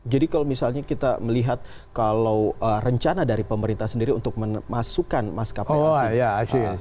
jadi kalau misalnya kita melihat kalau rencana dari pemerintah sendiri untuk memasukkan maskapai asli